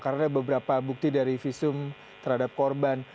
karena beberapa bukti dari visum terhadap korban